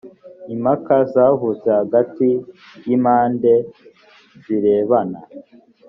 impaka zavutse hagati y impande zirebana